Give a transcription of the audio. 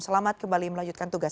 selamat kembali melanjutkan tugas